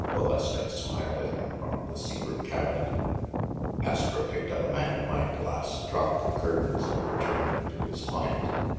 Valeska smiled at him from the secret cabinet. Astro picked up a magnifying glass, dropped the curtains, and returned to his client.